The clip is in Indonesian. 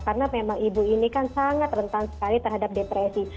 karena memang ibu ini kan sangat rentan sekali terhadap depresi